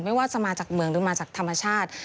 ไม่ว่าจะมาจากเมืองหรือมาจากธรรมชาติ